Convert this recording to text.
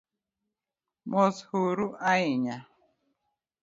Mos huru ahinya .